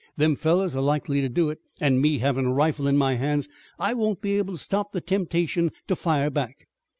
Them fellers are likely to do it, an' me havin' a rifle in my hands I won't be able to stop the temptation to fire back."